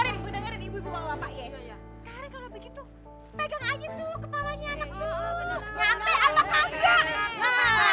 sekarang kalau begitu pegang aja kepalanya anaknya